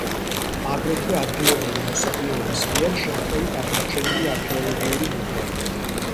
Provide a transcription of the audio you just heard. აგრეთვე, ადგილობრივი მოსახლეობის მიერ შემთხვევით აღმოჩენილი არქეოლოგიური ნივთები.